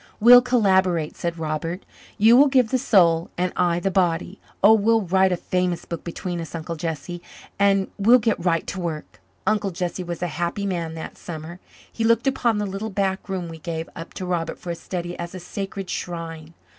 "We'll collaborate," said Robert. "You will give the soul and I the body. Oh, we'll write a famous book between us, Uncle Jesse. And we'll get right to work." Uncle Jesse was a happy man that summer. He looked upon the little back room we gave up to Robert for a study as a sacred shrine.